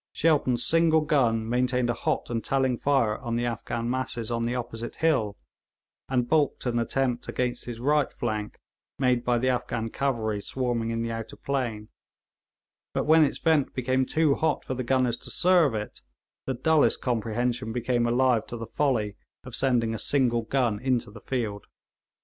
Shelton's single gun maintained a hot and telling fire on the Afghan masses on the opposite hill, and baulked an attempt against his right flank made by the Afghan cavalry swarming in the outer plain; but when its vent became too hot for the gunners to serve it, the dullest comprehension became alive to the folly of sending a single gun into the field.